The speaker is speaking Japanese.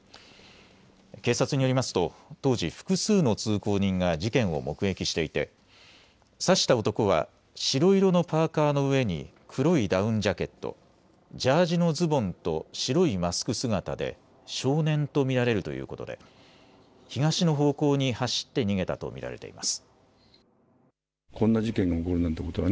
警察によりますと当時、複数の通行人が事件を目撃していて刺した男は白色のパーカーの上に黒いダウンジャケット、ジャージのズボンと白いマスク姿で少年と見られるということで東の方向に走って逃げたと見られています。